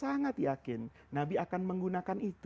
sangat yakin nabi akan menggunakan itu